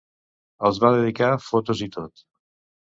Els va dedicar fotos i tot.